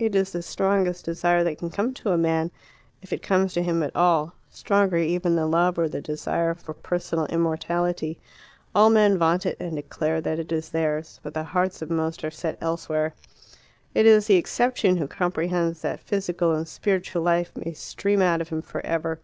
It is the strongest desire that can come to a man if it comes to him at all stronger even than love or the desire for personal immortality. All men vaunt it, and declare that it is theirs; but the hearts of most are set elsewhere. It is the exception who comprehends that physical and spiritual life may stream out of him for ever.